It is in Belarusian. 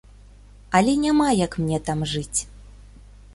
Але няма як мне там жыць.